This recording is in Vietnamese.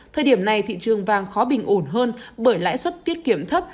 thời điểm này thị trường vàng khó bình ổn hơn bởi lãi suất tiết kiệm thấp